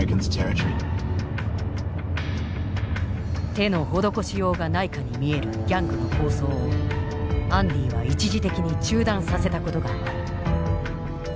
手の施しようがないかに見えるギャングの抗争をアンディは一時的に中断させたことがある。